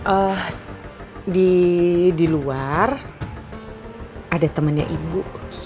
eh di luar ada temannya ibu